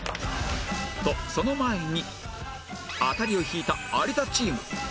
とその前にアタリを引いた有田チーム